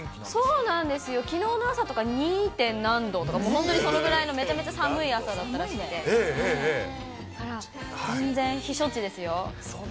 そうなんですよ、きのうの朝とか２．何度とか本当にそのぐらいのめちゃめちゃ寒い全然避暑地ですよ。